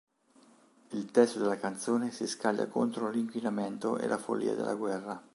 Il testo della canzone si scaglia contro l’inquinamento e la follia della guerra.